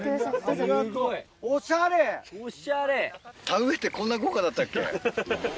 田植えってこんな豪華だったっけ？